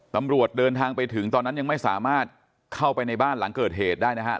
ตำรวจเดินทางไปถึงตอนนั้นยังไม่สามารถเข้าไปในบ้านหลังเกิดเหตุได้นะฮะ